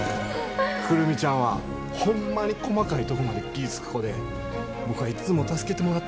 久留美ちゃんはホンマに細かいとこまで気ぃ付く子で僕はいっつも助けてもらってて。